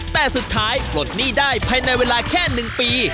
แต่สุดท้ายปลดหนี้ได้ภายในเวลาแค่๑ปี